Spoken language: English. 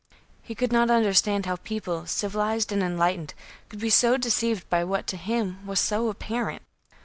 He could not understand how people, civilized and enlightened, could be so deceived by what, to him, was so apparent.